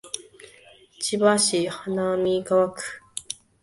千葉市花見川区